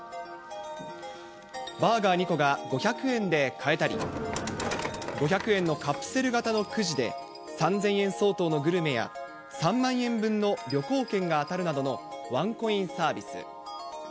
バーガー２個が５００円で買えたり、５００円のカプセル型のくじで、３０００円相当のグルメや、３万円分の旅行券が当たるなどのワンコインサービス。